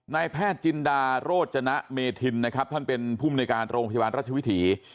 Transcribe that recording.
นายแพทย์จินดาโรจนะเมธินนะครับท่านเป็นผู้มนุยการโรงพยาบาลราชวิถี